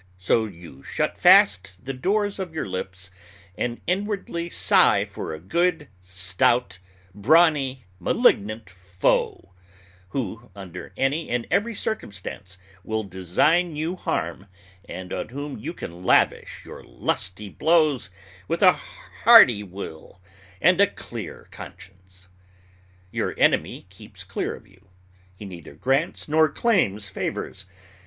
So you shut fast the doors of your lips, and inwardly sigh for a good, stout, brawny, malignant foe, who, under any and every circumstance, will design you harm, and on whom you can lavish your lusty blows with a hearty will and a clear conscience. Your enemy keeps clear of you. He neither grants nor claims favors.